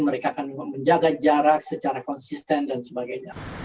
mereka akan menjaga jarak secara konsisten dan sebagainya